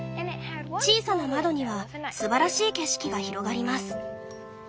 小さな窓にはすばらしい景色が広がります。